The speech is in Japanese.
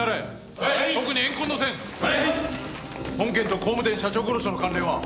本件と工務店社長殺しとの関連は？